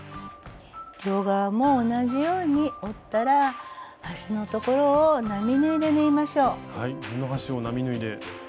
両側も同じように折ったら端の所を並縫いで縫いましょう。